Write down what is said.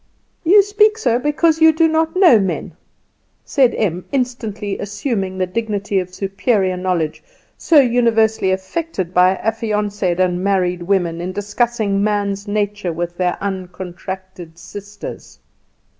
"You speak so because you do not know men," said Em, instantly assuming the dignity of superior knowledge so universally affected by affianced and married women in discussing man's nature with their uncontracted sisters.